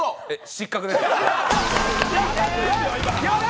失格です。